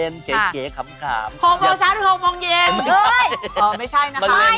นั้นนั้นผมบ่อย